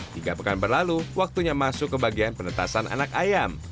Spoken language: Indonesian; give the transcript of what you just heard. tiga pekan berlalu waktunya masuk ke bagian penetasan anak ayam